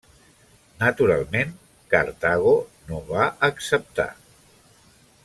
Naturalment, Cartago no va acceptar.